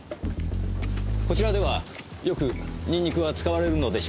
こちらではよくニンニクは使われるのでしょうか？